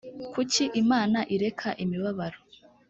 kuki imana ireka imibabaro